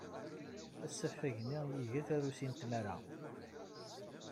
Asafag-nni iga tarusi n tmara.